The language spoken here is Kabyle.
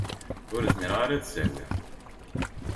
Ur zmireɣ ara ad s-awiɣ.